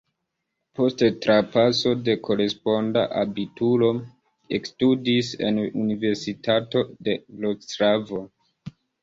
Post trapaso de koresponda abituro ekstudis en Universitato de Vroclavo.